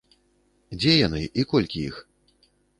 Дзе яны і колькі іх?